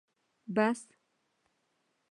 بس